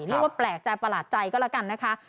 เรียกว่าแปลกใจประหลาดใจก็แล้วกันนะคะ